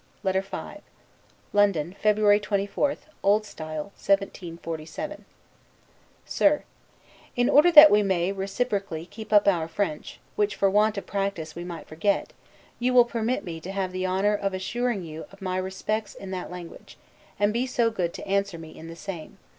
LETTER V LONDON, February 24, O. S. 1747 SIR: In order that we may, reciprocally, keep up our French, which, for want of practice, we might forget; you will permit me to have the honor of assuring you of my respects in that language: and be so good to answer me in the same.